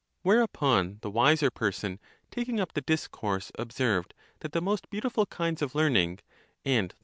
Whereupon the wiser person, taking up the discourse, observed that the most beautiful kinds of learning, and (the